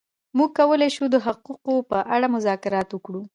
موږ کولای شو د حقوقو په اړه مذاکره وکړو.